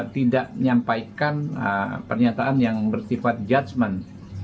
tidak menyampaikan pernyataan yang bersifat judgement